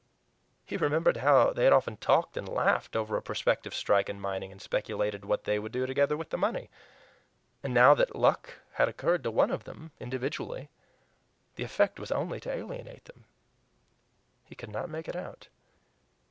He remembered how they had often talked and laughed over a prospective "strike" in mining and speculated what THEY would do together with the money! And now that "luck" had occurred to one of them, individually, the effect was only to alienate them! He could not make it out.